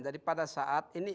jadi pada saat ini